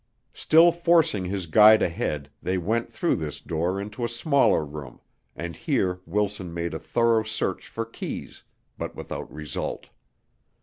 Still forcing his guide ahead, they went through this door into a smaller room and here Wilson made a thorough search for keys, but without result.